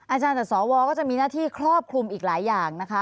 อาจารย์แต่สวก็จะมีหน้าที่ครอบคลุมอีกหลายอย่างนะคะ